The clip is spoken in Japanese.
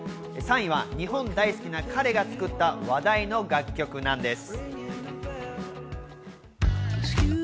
３位は日本大好きな彼が作った話題の楽曲なんです。